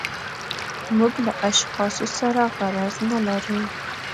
موږ له اشخاصو سره غرض نه لرو.